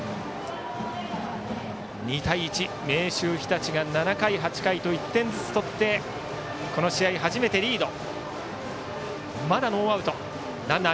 ２対１、明秀日立が７回、８回と１点ずつ取ってこの試合初めてリード。